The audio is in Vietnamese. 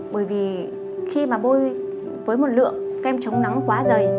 bởi vì khi mà bôi với một lượng kem chống nắng quá dày